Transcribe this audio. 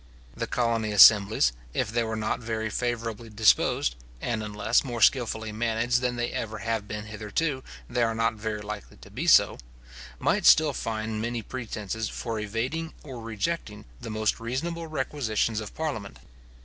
The colony assemblies, if they were not very favourably disposed (and unless more skilfully managed than they ever have been hitherto, they are not very likely to be so), might still find many pretences for evading or rejecting the most reasonable requisitions of parliament.